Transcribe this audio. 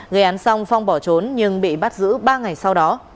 gây án xong phong bỏ trốn nhưng bị bắt giữ ba ngày sau đó